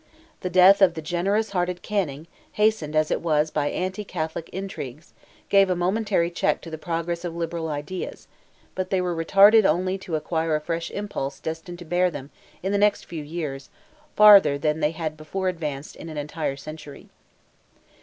The death of the generous hearted Canning, hastened as it was by anti Catholic intrigues, gave a momentary check to the progress of liberal ideas; but they were retarded only to acquire a fresh impulse destined to bear them, in the next few years, farther than they had before advanced in an entire century.